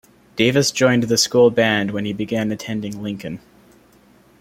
Davis joined the school band when he began attending Lincoln.